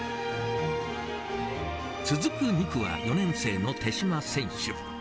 続く２区は４年生の手島選手。